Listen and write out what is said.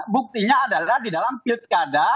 buktinya adalah di dalam pilkada